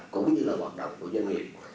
cũng như là hoạt động của doanh nghiệp